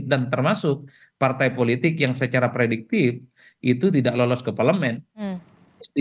dan termasuk partai politik yang secara prediktif itu tidak lolos ke parlement